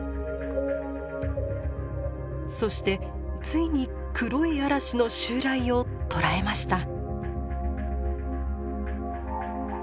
そしてついに黒い嵐の襲来を捉えました。